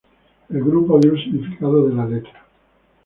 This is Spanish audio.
El grupo dio el significado de la letra.